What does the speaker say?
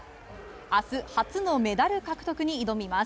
明日、初のメダル獲得に挑みます。